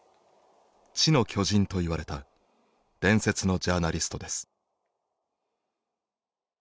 「知の巨人」と言われた伝説のジャーナリストです。